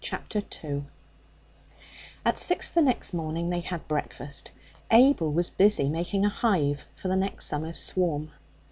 Chapter 2 At six the next morning they had breakfast. Abel was busy making a hive for the next summer's swarm.